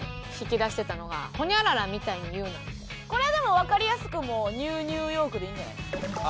これはでもわかりやすくもう「ＮＥＷニューヨーク」でいいんじゃないですか？